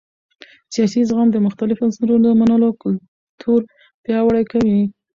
سیاسي زغم د مختلفو نظرونو د منلو کلتور پیاوړی کوي